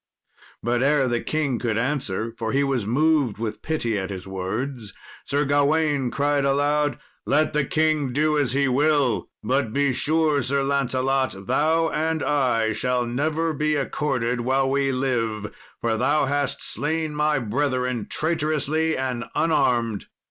But ere the king could answer, for he was moved with pity at his words, Sir Gawain cried aloud, "Let the king do as he will, but be sure, Sir Lancelot, thou and I shall never be accorded while we live, for thou has slain my brethren traitorously and unarmed."